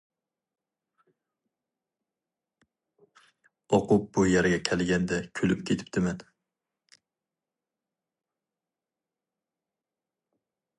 ئوقۇپ بۇ يەرگە كەلگەندە كۈلۈپ كېتىپتىمەن.